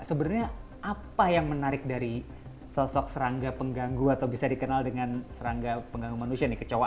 sebenarnya apa yang menarik dari sosok serangga pengganggu atau bisa dikenal dengan serangga pengganggu manusia nih kecewa